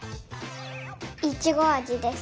いちごあじです。